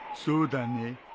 そうだね。